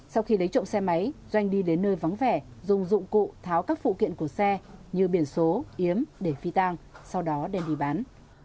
sau khi lấy trộm xe máy doanh đi đến nơi vắng vẻ dùng dụng cụ tháo các phụ kiện của xe như biển số yếm để phi tang sau đó đem đi bán